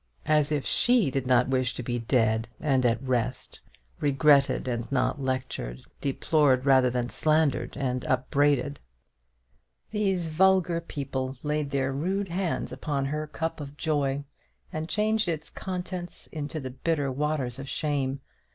As if she did not wish to be dead and at rest, regretted and not lectured, deplored rather than slandered and upbraided. These vulgar people laid their rude hands upon her cup of joy, and changed its contents into the bitter waters of shame.